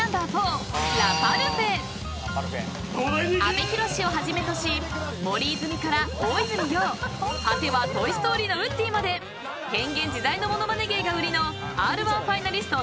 ［阿部寛をはじめとし森泉から大泉洋果ては『トイ・ストーリー』のウッディまで変幻自在の物まね芸が売りのＲ−１ファイナリスト